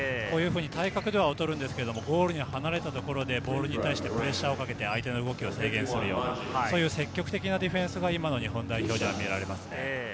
体格では劣るんですが、ボールに離れたところでボールに対してプレッシャーをかけて、相手の動きを制限するような積極的なディフェンスが今の日本代表には見られます。